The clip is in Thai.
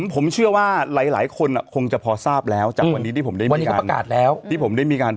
ผมเชื่อว่าหลายคนคงจะพอทราบแล้วจากวันนี้ที่ผมได้มีการ